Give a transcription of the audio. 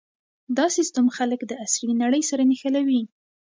دا سیستم خلک د عصري نړۍ سره نښلوي.